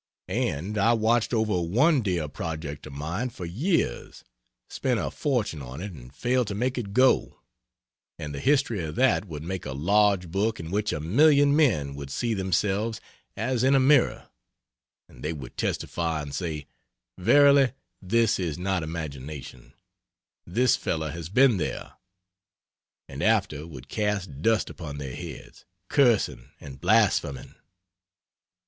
And I watched over one dear project of mine for years, spent a fortune on it, and failed to make it go and the history of that would make a large book in which a million men would see themselves as in a mirror; and they would testify and say, Verily, this is not imagination; this fellow has been there and after would cast dust upon their heads, cursing and blaspheming.